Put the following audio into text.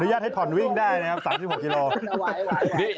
ญาตให้ผ่อนวิ่งได้นะครับ๓๖กิโลกรัม